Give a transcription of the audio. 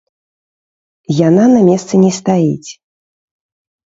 Яна на месцы не стаіць.